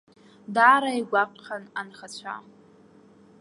Даара игәаҟхьан анхацәа.